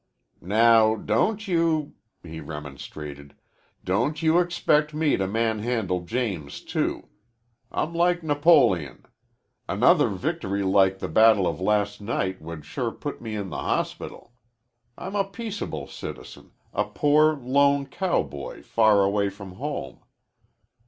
"Now, don't you," he remonstrated. "Don't you expect me to manhandle James, too. I'm like Napoleon. Another victory like the battle of last night would sure put me in the hospital. I'm a peaceable citizen, a poor, lone cowboy far away from home.